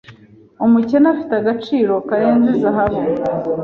umukene afite agaciro karenze Zahabu